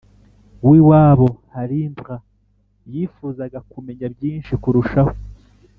w iwabo Harindra yifuzaga kumenya byinshi kurushaho